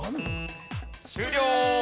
終了！